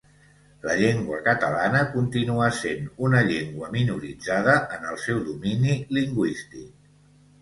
La llengua catalana continua sent una llengua minoritzada en el seu domini lingüístic